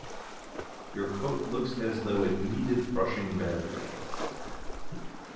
Your coat looks as though it needed brushing — badly.